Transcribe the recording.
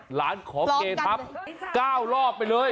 หลานขอเกตับ๙รอบไปเลย